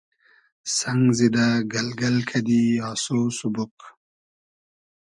سئنگ زیدۂ گئلگئل کئدی آسۉ سوبوگ